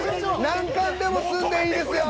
何缶でも積んでいいですよ。